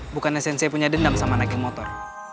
bukannya sensei punya dendam sama naikin motor